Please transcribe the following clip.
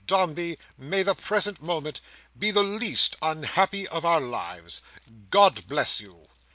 Dombey, may the present moment be the least unhappy of our lives. God bless you!"